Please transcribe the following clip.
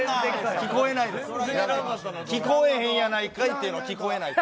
聞こえへんやないかいっていうのが聞こえないと。